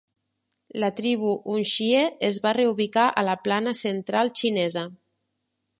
La tribu hunxie es va reubicar a la Plana Central xinesa.